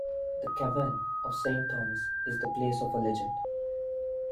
The cavern of Saint Thomas is the place of a legend.